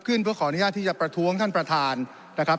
ขึ้นเพื่อขออนุญาตที่จะประทวงท่านประธานนะครับ